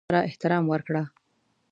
مېلمه ته د خدای رضا لپاره احترام ورکړه.